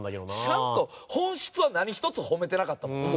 ちゃんと本質は何一つ褒めてなかったもんな。